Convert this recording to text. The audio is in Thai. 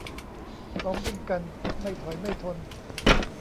ซ้อมวิ่งกัน ไม่ถอยไม่ทน